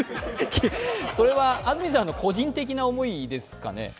それは安住さんの個人的な思いですかね。